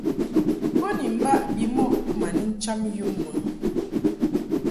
Bo ni mbaʼ bimɔʼ ma ni ncham yum mɨ.